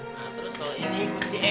nah terus kalau ini kunci e